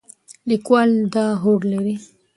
لیکوال دا هوډ لري.